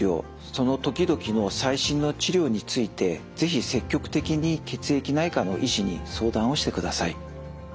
その時々の最新の治療について是非積極的に血液内科の医師に相談をしてください。